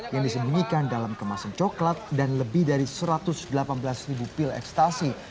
yang disembunyikan dalam kemasan coklat dan lebih dari satu ratus delapan belas pil ekstasi